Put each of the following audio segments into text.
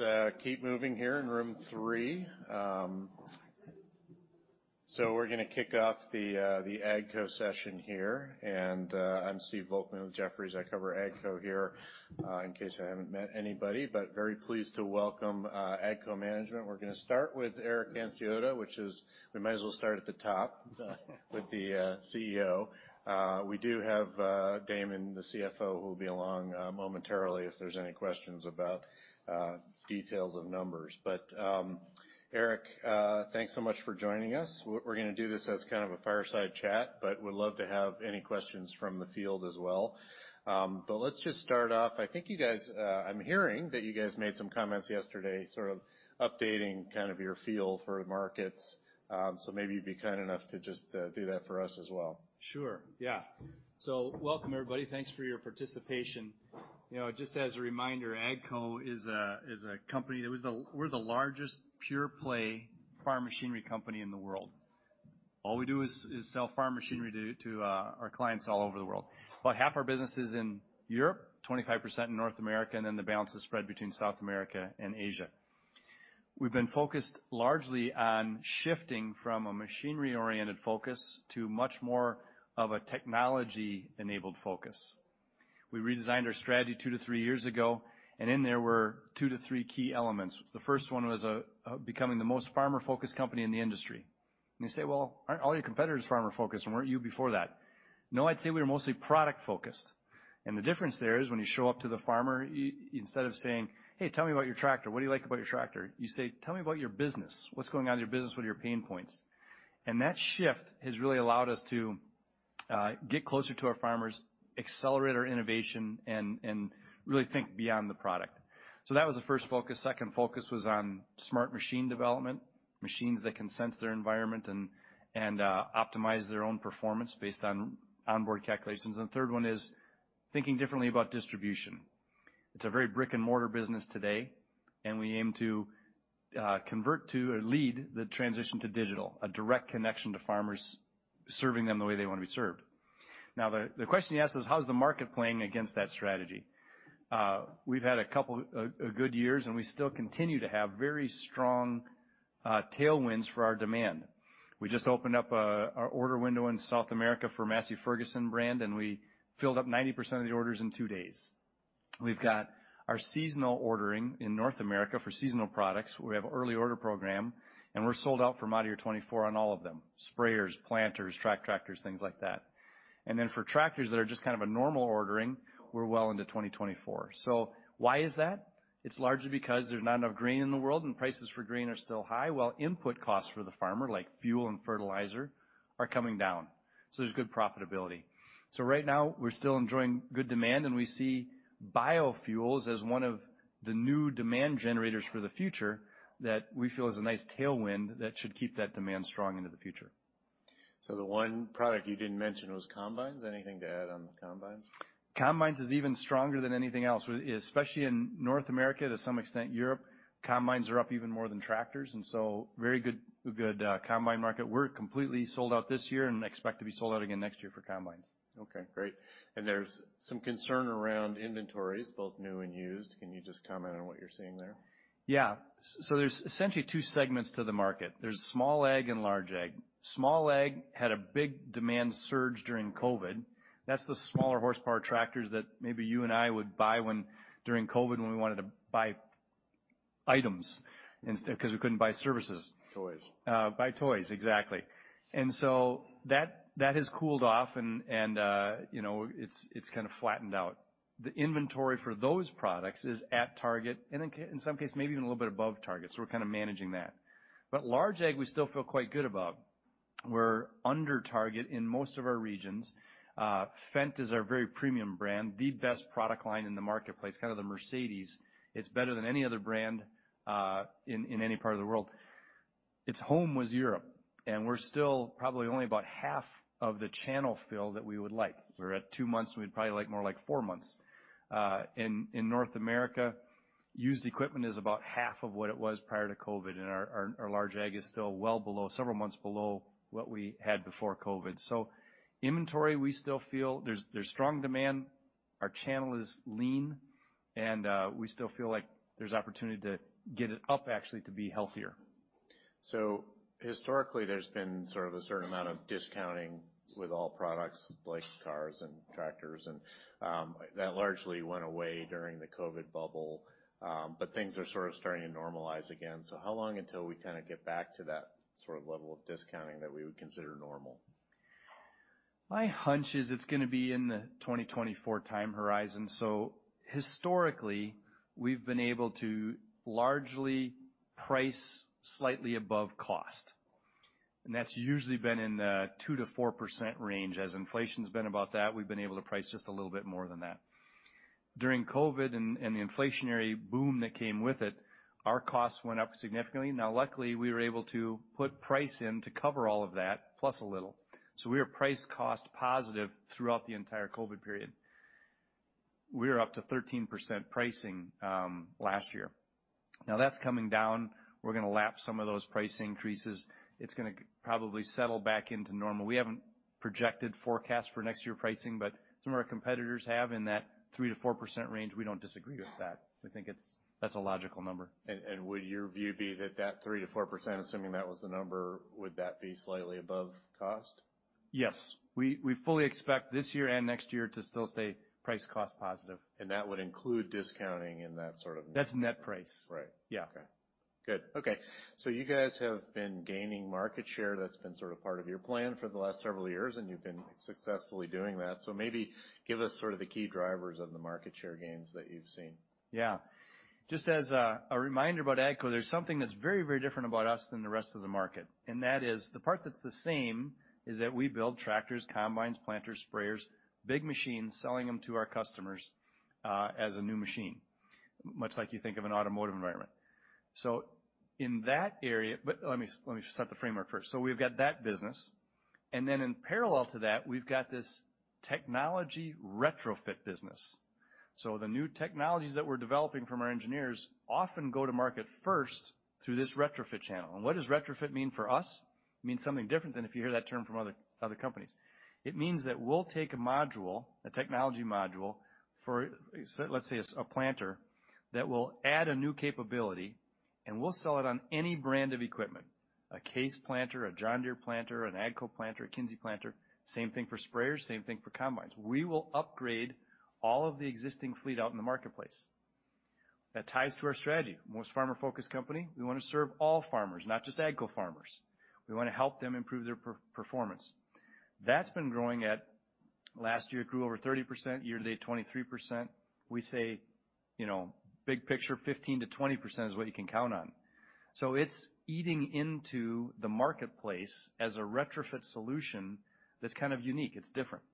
So, keep moving here in room three. So we're gonna kick off the AGCO session here, and I'm Stephen Volkmann with Jefferies. I cover AGCO here, in case I haven't met anybody, but very pleased to welcome AGCO management. We're gonna start with Eric Hansotia, which is, we might as well start at the top, with the CEO. We do have Damon, the CFO, who will be along momentarily if there's any questions about details of numbers. But Eric, thanks so much for joining us. We're gonna do this as kind of a fireside chat, but would love to have any questions from the field as well. But let's just start off. I think you guys, I'm hearing that you guys made some comments yesterday, sort of updating kind of your feel for the markets. So maybe you'd be kind enough to just do that for us as well. Sure, yeah. So welcome, everybody. Thanks for your participation. You know, just as a reminder, AGCO is a company that... We're the largest pure play farm machinery company in the world. All we do is sell farm machinery to our clients all over the world. About half our business is in Europe, 25% in North America, and then the balance is spread between South America and Asia. We've been focused largely on shifting from a machinery-oriented focus to much more of a technology-enabled focus. We redesigned our strategy 2-3 years ago, and in there were 2-3 key elements. The first one was becoming the most farmer-focused company in the industry. And you say, "Well, aren't all your competitors farmer focused, and weren't you before that?" No, I'd say we were mostly product focused, and the difference there is, when you show up to the farmer, instead of saying, "Hey, tell me about your tractor. What do you like about your tractor?" You say, "Tell me about your business. What's going on in your business? What are your pain points?" And that shift has really allowed us to get closer to our farmers, accelerate our innovation, and really think beyond the product. So that was the first focus. Second focus was on smart machine development, machines that can sense their environment and optimize their own performance based on onboard calculations. And the third one is thinking differently about distribution. It's a very brick-and-mortar business today, and we aim to convert to, or lead, the transition to digital, a direct connection to farmers, serving them the way they want to be served. Now, the question you asked is: How is the market playing against that strategy? We've had a couple good years, and we still continue to have very strong tailwinds for our demand. We just opened up our order window in South America for Massey Ferguson brand, and we filled up 90% of the orders in two days. We've got our seasonal ordering in North America for seasonal products. We have early order program, and we're sold out for model year 2024 on all of them, sprayers, planters, track tractors, things like that. And then for tractors that are just kind of a normal ordering, we're well into 2024. So why is that? It's largely because there's not enough grain in the world, and prices for grain are still high, while input costs for the farmer, like fuel and fertilizer, are coming down. So there's good profitability. So right now, we're still enjoying good demand, and we see biofuels as one of the new demand generators for the future that we feel is a nice tailwind that should keep that demand strong into the future. The one product you didn't mention was combines. Anything to add on the combines? Combines is even stronger than anything else, especially in North America, to some extent, Europe. Combines are up even more than tractors, and so very good, good, combine market. We're completely sold out this year and expect to be sold out again next year for combines. Okay, great. There's some concern around inventories, both new and used. Can you just comment on what you're seeing there? Yeah. So there's essentially two segments to the market. There's small ag and large ag. Small ag had a big demand surge during COVID. That's the smaller horsepower tractors that maybe you and I would buy when, during COVID, when we wanted to buy items instead, 'cause we couldn't buy services. Toys. Buy toys, exactly. And so that, that has cooled off and, and, you know, it's, it's kind of flattened out. The inventory for those products is at target, and in some cases, maybe even a little bit above target, so we're kind of managing that. But large ag, we still feel quite good about. We're under target in most of our regions. Fendt is our very premium brand, the best product line in the marketplace, kind of the Mercedes. It's better than any other brand, in, in any part of the world. Its home was Europe, and we're still probably only about half of the channel fill that we would like. We're at two months, and we'd probably like more like four months. In North America, used equipment is about half of what it was prior to COVID, and our large ag is still well below, several months below what we had before COVID. So inventory, we still feel there's strong demand, our channel is lean, and we still feel like there's opportunity to get it up, actually, to be healthier. So historically, there's been sort of a certain amount of discounting with all products, like cars and tractors, and that largely went away during the COVID bubble. But things are sort of starting to normalize again. So how long until we kind of get back to that sort of level of discounting that we would consider normal? My hunch is it's gonna be in the 2024 time horizon. So historically, we've been able to largely price slightly above cost, and that's usually been in the 2%-4% range. As inflation's been about that, we've been able to price just a little bit more than that. During COVID and the inflationary boom that came with it, our costs went up significantly. Now, luckily, we were able to put price in to cover all of that, plus a little. So we were price cost positive throughout the entire COVID period. We were up to 13% pricing last year. Now that's coming down. We're gonna lap some of those price increases. It's gonna probably settle back into normal. We haven't projected forecast for next year pricing, but some of our competitors have in that 3%-4% range. We don't disagree with that. We think that's a logical number. Would your view be that that 3%-4%, assuming that was the number, would that be slightly above cost? Yes. We fully expect this year and next year to still stay price cost positive. That would include discounting in that sort of- That's net price. Right. Yeah. Okay. Good. Okay, so you guys have been gaining market share. That's been sort of part of your plan for the last several years, and you've been successfully doing that. So maybe give us sort of the key drivers of the market share gains that you've seen. Yeah. Just as a reminder about AGCO, there's something that's very, very different about us than the rest of the market, and that is, the part that's the same is that we build tractors, combines, planters, sprayers, big machines, selling them to our customers, as a new machine, much like you think of an automotive environment. So in that area... But let me set the framework first. So we've got that business, and then in parallel to that, we've got this technology retrofit business. So the new technologies that we're developing from our engineers often go to market first through this retrofit channel. And what does retrofit mean for us? It means something different than if you hear that term from other companies. It means that we'll take a module, a technology module, for, let's say, a, a planter, that will add a new capability, and we'll sell it on any brand of equipment, a Case planter, a John Deere planter, an AGCO planter, a Kinze planter. Same thing for sprayers, same thing for combines. We will upgrade all of the existing fleet out in the marketplace. That ties to our strategy. Most farmer-focused company. We want to serve all farmers, not just AGCO farmers. We want to help them improve their performance. That's been growing at... Last year, it grew over 30%, year-to-date, 23%. We say, you know, big picture, 15%-20% is what you can count on. So it's eating into the marketplace as a retrofit solution that's kind of unique. It's different.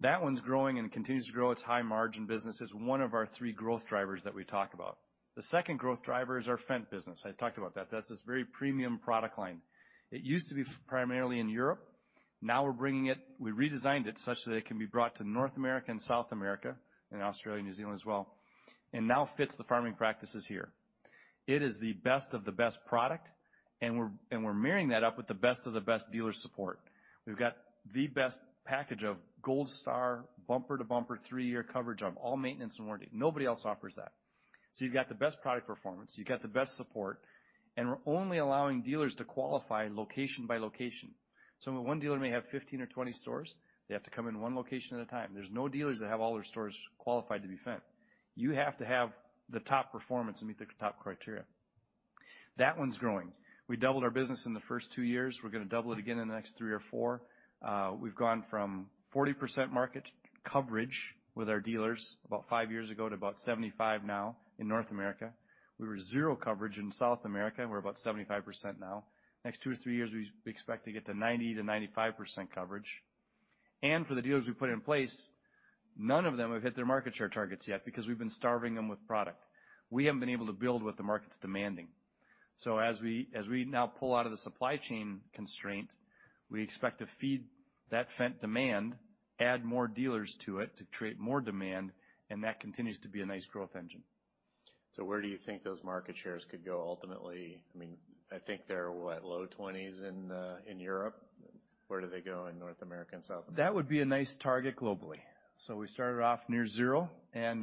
That one's growing and continues to grow. It's high-margin business. It's one of our three growth drivers that we talk about. The second growth driver is our Fendt business. I talked about that. That's this very premium product line. It used to be primarily in Europe. Now we redesigned it such that it can be brought to North America and South America, and Australia, and New Zealand as well, and now fits the farming practices here. It is the best of the best product, and we're, and we're marrying that up with the best of the best dealer support. We've got the best package of Gold Star, bumper-to-bumper, 3-year coverage of all maintenance and warranty. Nobody else offers that. So you've got the best product performance, you've got the best support, and we're only allowing dealers to qualify location by location. So one dealer may have 15 or 20 stores. They have to come in one location at a time. There's no dealers that have all their stores qualified to be Fendt. You have to have the top performance and meet the top criteria. That one's growing. We doubled our business in the first two years. We're gonna double it again in the next three or four. We've gone from 40% market coverage with our dealers about five years ago to about 75% now in North America. We were zero coverage in South America, and we're about 75% now. Next two or three years, we expect to get to 90%-95% coverage. For the deals we put in place, none of them have hit their market share targets yet because we've been starving them with product. We haven't been able to build what the market's demanding. So as we now pull out of the supply chain constraint, we expect to feed that Fendt demand, add more dealers to it to create more demand, and that continues to be a nice growth engine. So where do you think those market shares could go ultimately? I mean, I think they're, what, low 20s in Europe? Where do they go in North America and South America? That would be a nice target globally. So we started off near zero, and,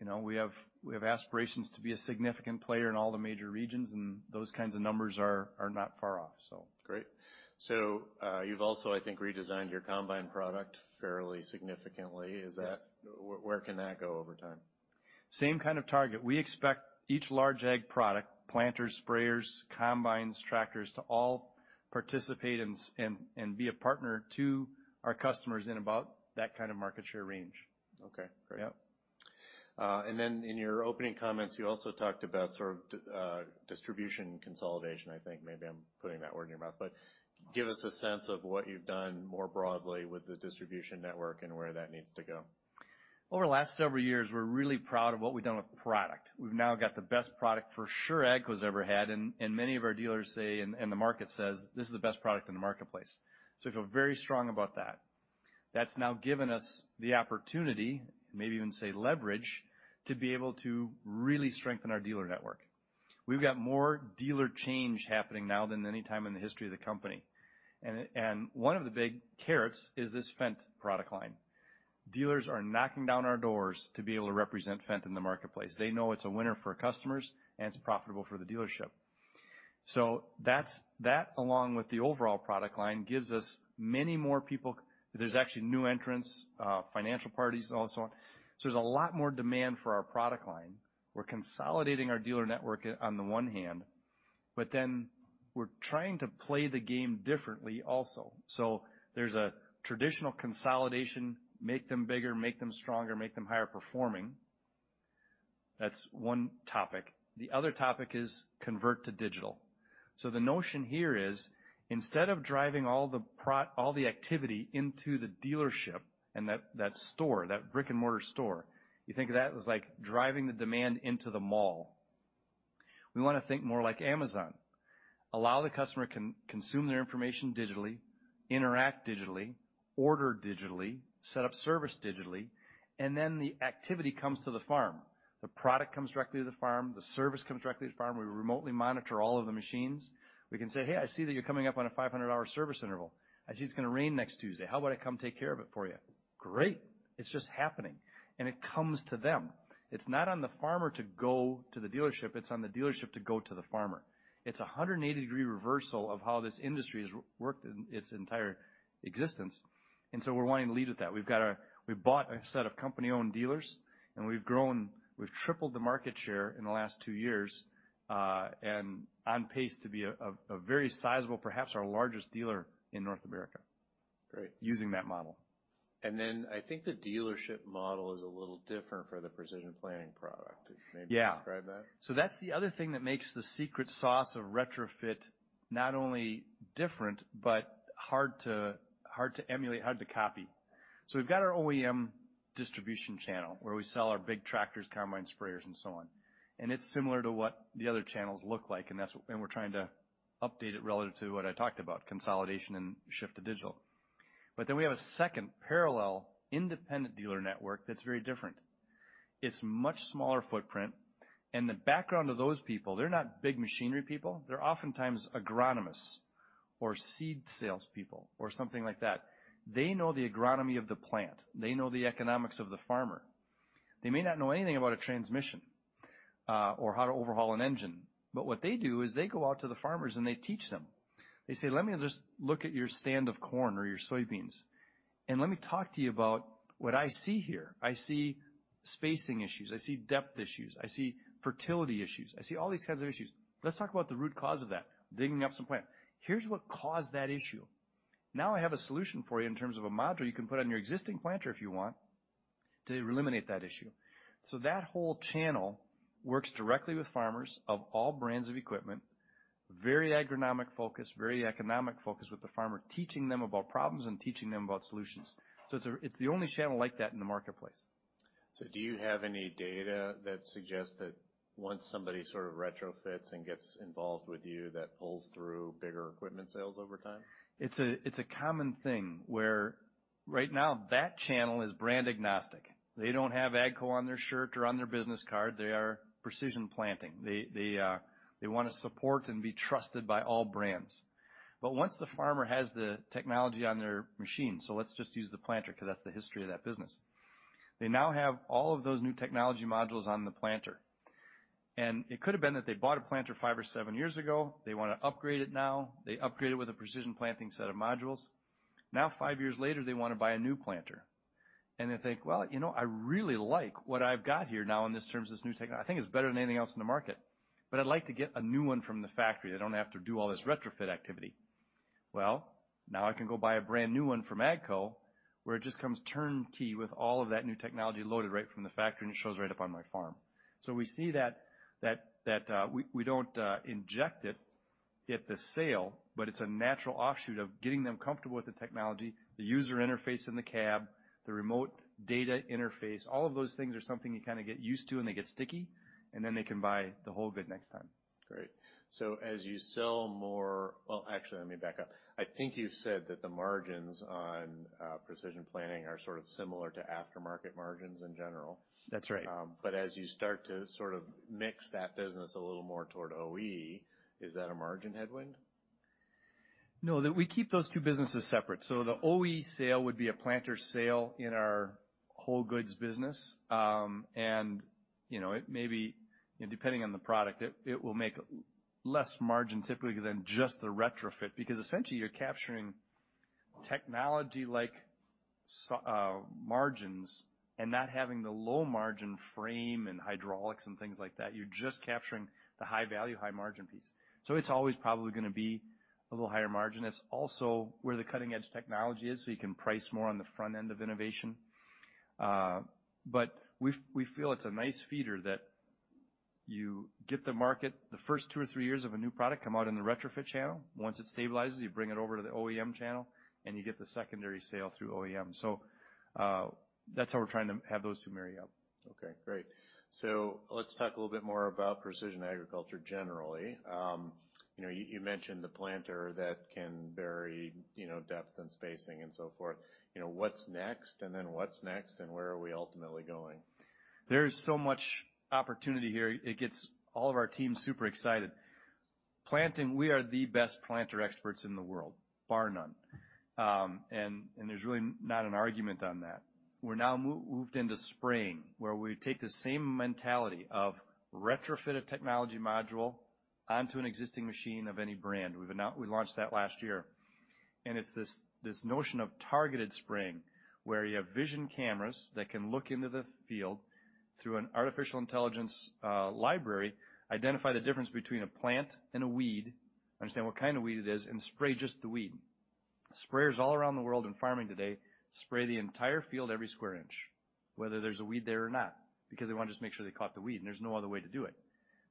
you know, we have aspirations to be a significant player in all the major regions, and those kinds of numbers are not far off, so. Great. So, you've also, I think, redesigned your combines product fairly significantly. Yes. Is that... Where, where can that go over time? Same kind of target. We expect each large ag product, planters, sprayers, combines, tractors, to all participate and be a partner to our customers in about that kind of market share range. Okay, great. Yeah. And then in your opening comments, you also talked about sort of distribution consolidation, I think. Maybe I'm putting that word in your mouth, but give us a sense of what you've done more broadly with the distribution network and where that needs to go. Over the last several years, we're really proud of what we've done with the product. We've now got the best product for sure AGCO's ever had, and many of our dealers say, and the market says, "This is the best product in the marketplace." So I feel very strong about that. That's now given us the opportunity, maybe even say leverage, to be able to really strengthen our dealer network. We've got more dealer change happening now than any time in the history of the company. And one of the big carrots is this Fendt product line. Dealers are knocking down our doors to be able to represent Fendt in the marketplace. They know it's a winner for customers, and it's profitable for the dealership. So that's... That, along with the overall product line, gives us many more people. There's actually new entrants, financial parties, and so on. So there's a lot more demand for our product line. We're consolidating our dealer network on the one hand, but then we're trying to play the game differently also. So there's a traditional consolidation, make them bigger, make them stronger, make them higher performing. That's one topic. The other topic is convert to digital. So the notion here is, instead of driving all the all the activity into the dealership and that, that store, that brick-and-mortar store, you think of that as like driving the demand into the mall.... We want to think more like Amazon. Allow the customer consume their information digitally, interact digitally, order digitally, set up service digitally, and then the activity comes to the farm. The product comes directly to the farm, the service comes directly to the farm. We remotely monitor all of the machines. We can say, "Hey, I see that you're coming up on a 500-hour service interval. I see it's gonna rain next Tuesday. How about I come take care of it for you?" Great! It's just happening, and it comes to them. It's not on the farmer to go to the dealership, it's on the dealership to go to the farmer. It's a 180-degree reversal of how this industry has worked in its entire existence, and so we're wanting to lead with that. We've got our. We've bought a set of company-owned dealers, and we've grown. We've tripled the market share in the last two years, and on pace to be a very sizable, perhaps our largest dealer in North America- Great. Using that model. I think the dealership model is a little different for the Precision Planting product. Yeah. Maybe describe that? So that's the other thing that makes the secret sauce of retrofit not only different, but hard to, hard to emulate, hard to copy. So we've got our OEM distribution channel, where we sell our big tractors, combine sprayers, and so on, and it's similar to what the other channels look like, and that's, and we're trying to update it relative to what I talked about, consolidation and shift to digital. But then we have a second parallel, independent dealer network that's very different. It's much smaller footprint, and the background of those people, they're not big machinery people. They're oftentimes agronomists or seed salespeople or something like that. They know the agronomy of the plant. They know the economics of the farmer. They may not know anything about a transmission, or how to overhaul an engine, but what they do is they go out to the farmers, and they teach them. They say, "Let me just look at your stand of corn or your soybeans, and let me talk to you about what I see here. I see spacing issues, I see depth issues, I see fertility issues. I see all these kinds of issues. Let's talk about the root cause of that." Digging up some plant. "Here's what caused that issue. Now, I have a solution for you in terms of a module you can put on your existing planter if you want, to eliminate that issue." So that whole channel works directly with farmers of all brands of equipment, very agronomic focused, very economic focused, with the farmer, teaching them about problems and teaching them about solutions. So it's the only channel like that in the marketplace. Do you have any data that suggests that once somebody sort of retrofits and gets involved with you, that pulls through bigger equipment sales over time? It's a common thing where right now, that channel is brand agnostic. They don't have AGCO on their shirt or on their business card. They are Precision Planting. They want to support and be trusted by all brands. But once the farmer has the technology on their machine, so let's just use the planter because that's the history of that business. They now have all of those new technology modules on the planter, and it could have been that they bought a planter five or seven years ago. They want to upgrade it now. They upgrade it with a Precision Planting set of modules. Now, five years later, they want to buy a new planter, and they think, "Well, you know, I really like what I've got here now in this terms of this new tech. I think it's better than anything else in the market, but I'd like to get a new one from the factory. I don't have to do all this retrofit activity. Well, now I can go buy a brand-new one from AGCO, where it just comes turnkey with all of that new technology loaded right from the factory, and it shows right up on my farm. So we see that we don't inject it at the sale, but it's a natural offshoot of getting them comfortable with the technology, the user interface in the cab, the remote data interface. All of those things are something you kind of get used to, and they get sticky, and then they can buy the whole bit next time. Great. So as you sell more... Well, actually, let me back up. I think you said that the margins on Precision Planting are sort of similar to aftermarket margins in general. That's right. But as you start to sort of mix that business a little more toward OE, is that a margin headwind? No, we keep those two businesses separate. So the OE sale would be a planter sale in our whole goods business. And, you know, it may be, depending on the product, it will make less margin typically than just the retrofit, because essentially, you're capturing technology like so, margins and not having the low margin frame and hydraulics and things like that. You're just capturing the high value, high margin piece. So it's always probably gonna be a little higher margin. It's also where the cutting edge technology is, so you can price more on the front end of innovation. But we feel it's a nice feeder that you get the market. The first two or three years of a new product come out in the retrofit channel. Once it stabilizes, you bring it over to the OEM channel, and you get the secondary sale through OEM. That's how we're trying to have those two marry up. Okay, great. So let's talk a little bit more about precision agriculture, generally. You know, you mentioned the planter that can vary, you know, depth and spacing and so forth. You know, what's next, and then what's next, and where are we ultimately going? There's so much opportunity here. It gets all of our teams super excited. Planting, we are the best planter experts in the world, bar none, and there's really not an argument on that. We're now moved into spraying, where we take the same mentality of retrofitted technology module onto an existing machine of any brand. We launched that last year, and it's this notion of targeted spraying, where you have vision cameras that can look into the field through an artificial intelligence library, identify the difference between a plant and a weed, understand what kind of weed it is, and spray just the weed. Sprayers all around the world in farming today spray the entire field, every square inch, whether there's a weed there or not, because they want to just make sure they caught the weed, and there's no other way to do it.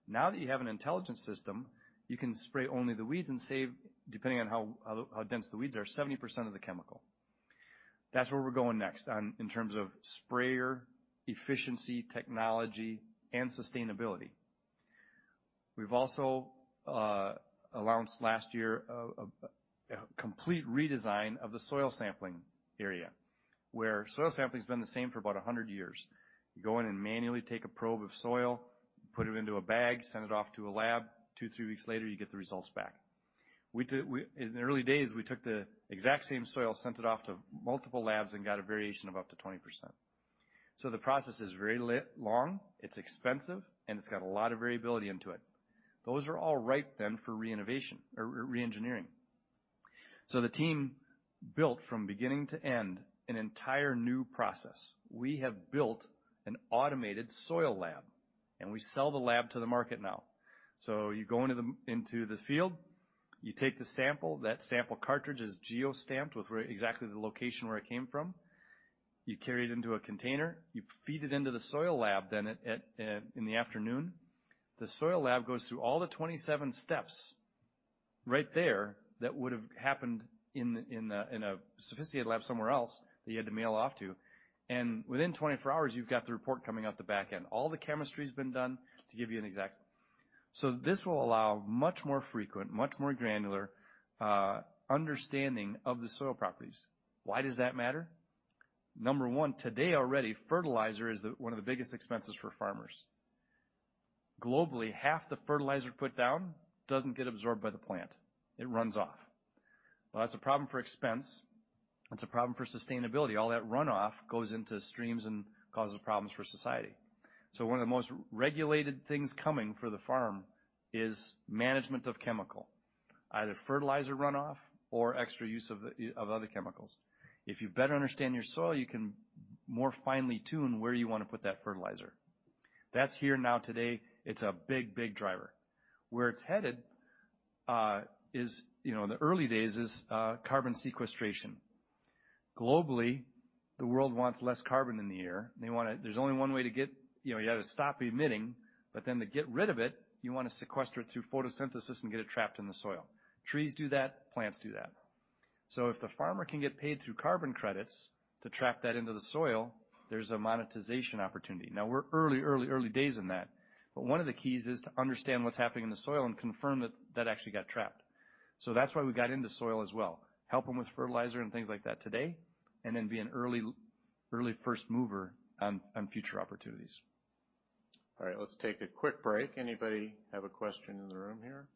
Now that you have an intelligence system, you can spray only the weeds and save, depending on how dense the weeds are, 70% of the chemical.... That's where we're going next on, in terms of sprayer efficiency, technology, and sustainability. We've also announced last year a complete redesign of the soil sampling area, where soil sampling has been the same for about 100 years. You go in and manually take a probe of soil, put it into a bag, send it off to a lab. 2-3 weeks later, you get the results back. In the early days, we took the exact same soil, sent it off to multiple labs, and got a variation of up to 20%. So the process is very long, it's expensive, and it's got a lot of variability into it. Those are all ripe then for reinnovation or re-engineering. So the team built from beginning to end, an entire new process. We have built an automated soil lab, and we sell the lab to the market now. So you go into the field, you take the sample. That sample cartridge is geo-stamped with where exactly the location where it came from. You carry it into a container, you feed it into the soil lab, then, in the afternoon. The soil lab goes through all the 27 steps right there that would have happened in a sophisticated lab somewhere else that you had to mail off to, and within 24 hours, you've got the report coming out the back end. All the chemistry has been done to give you an exact... So this will allow much more frequent, much more granular understanding of the soil properties. Why does that matter? Number one, today, already, fertilizer is the... one of the biggest expenses for farmers. Globally, half the fertilizer put down doesn't get absorbed by the plant. It runs off. Well, that's a problem for expense. It's a problem for sustainability. All that runoff goes into streams and causes problems for society. So one of the most regulated things coming for the farm is management of chemical, either fertilizer runoff or extra use of other chemicals. If you better understand your soil, you can more finely tune where you want to put that fertilizer. That's here now, today, it's a big, big driver. Where it's headed, you know, in the early days, is carbon sequestration. Globally, the world wants less carbon in the air. They want it. There's only one way to get it. You know, you have to stop emitting, but then to get rid of it, you want to sequester it through photosynthesis and get it trapped in the soil. Trees do that, plants do that. So if the farmer can get paid through carbon credits to trap that into the soil, there's a monetization opportunity. Now, we're early, early, early days in that, but one of the keys is to understand what's happening in the soil and confirm that, that actually got trapped. So that's why we got into soil as well, help them with fertilizer and things like that today, and then be an early, early first mover on, on future opportunities. All right, let's take a quick break. Anybody have a question in the room here?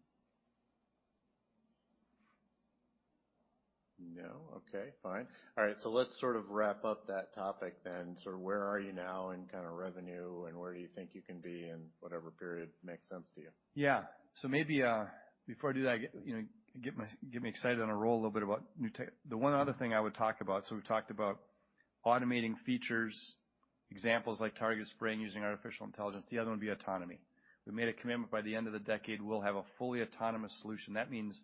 No. Okay, fine. All right, so let's sort of wrap up that topic then. So where are you now in kind of revenue, and where do you think you can be in whatever period makes sense to you? Yeah. So maybe before I do that, you know, get me excited on a roll a little bit about the one other thing I would talk about, so we talked about automating features, examples like targeted spraying, using artificial intelligence. The other one would be autonomy. We made a commitment by the end of the decade, we'll have a fully autonomous solution. That means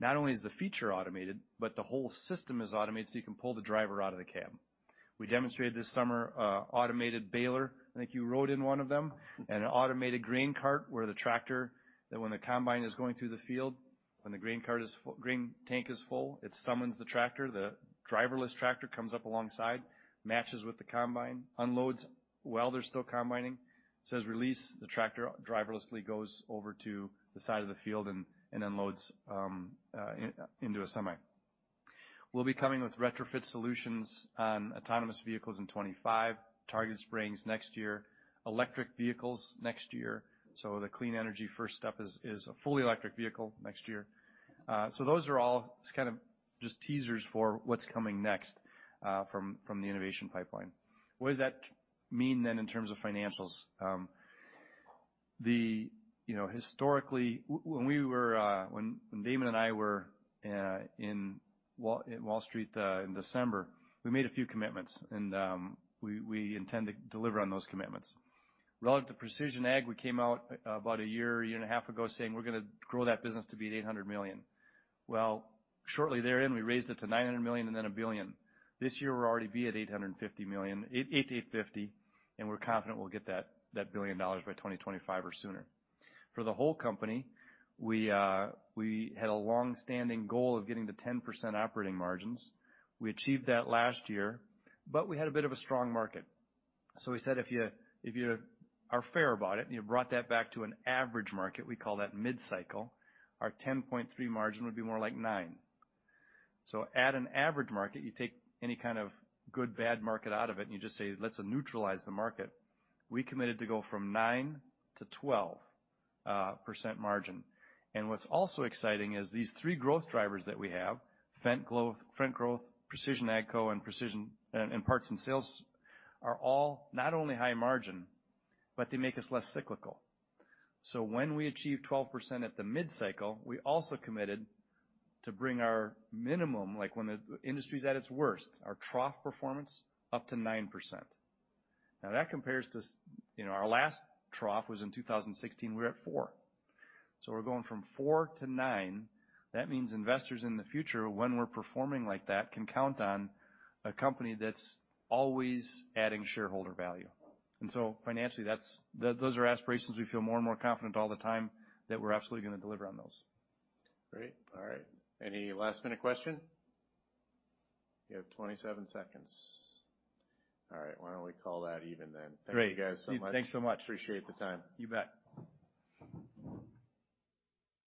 not only is the feature automated, but the whole system is automated, so you can pull the driver out of the cab. We demonstrated this summer, automated baler. I think you rode in one of them. Mm-hmm. An automated grain cart, where the tractor, that when the combine is going through the field, when the grain cart is full, grain tank is full, it summons the tractor. The driverless tractor comes up alongside, matches with the combine, unloads while they're still combining, says, "Release," the tractor driverlessly goes over to the side of the field and unloads into a semi. We'll be coming with retrofit solutions on autonomous vehicles in 2025, targeted sprayers next year, electric vehicles next year. So the clean energy first step is a fully electric vehicle next year. So those are all just kind of just teasers for what's coming next from the innovation pipeline. What does that mean then, in terms of financials? The... You know, historically, when we were, when Damon and I were in Wall Street in December, we made a few commitments, and we intend to deliver on those commitments. Relative to Precision Ag, we came out about a year, year and a half ago, saying, we're gonna grow that business to be at $800 million. Well, shortly therein, we raised it to $900 million and then $1 billion. This year, we'll already be at $850 million, $800 million-$850 million, and we're confident we'll get that $1 billion by 2025 or sooner. For the whole company, we had a long-standing goal of getting to 10% operating margins. We achieved that last year, but we had a bit of a strong market. So we said, if you, if you are fair about it, and you brought that back to an average market, we call that mid-cycle, our 10.3 margin would be more like 9. So at an average market, you take any kind of good, bad market out of it, and you just say, "Let's neutralize the market." We committed to go from 9 to 12% margin. And what's also exciting is these three growth drivers that we have, Fendt Growth, Fendt Growth, Precision Ag, and Precision, and, and Parts and Sales, are all not only high margin, but they make us less cyclical. So when we achieve 12% at the mid-cycle, we also committed to bring our minimum, like when the industry is at its worst, our trough performance, up to 9%. Now, that compares to you know, our last trough was in 2016, we were at 4. So we're going from 4 to 9. That means investors in the future, when we're performing like that, can count on a company that's always adding shareholder value. And so financially, that's, those are aspirations we feel more and more confident all the time that we're absolutely gonna deliver on those. Great. All right. Any last-minute question? You have 27 seconds. All right, why don't we call that even then? Great! Thank you, guys, so much. Thanks so much. Appreciate the time. You bet.